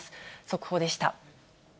速報でした。